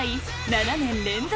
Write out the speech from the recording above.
７年連続